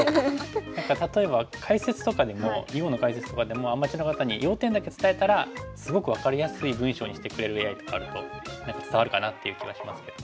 何か例えば解説とかでも囲碁の解説とかでもアマチュアの方に要点だけ伝えたらすごく分かりやすい文章にしてくれるＡＩとかあると伝わるかなっていう気はしますけど。